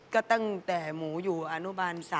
ก็ตั้งแต่หมูอยู่อนุบาล๓